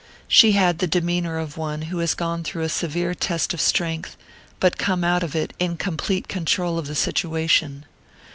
She had the demeanour of one who has gone through a severe test of strength, but come out of it in complete control of the situation.